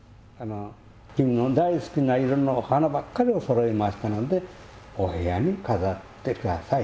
君の大好きな色の花ばっかりをそろえましたのでお部屋に飾ってください。